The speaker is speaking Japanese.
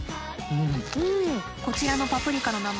こちらのパプリカの名前